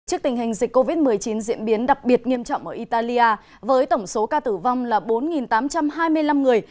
trước tình hình dịch covid một mươi chín diễn biến đặc biệt nghiêm trọng ở italia với tổng số ca tử vong là bốn tám trăm hai mươi năm người